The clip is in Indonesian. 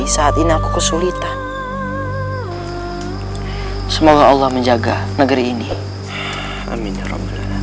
siapa aku sebenarnya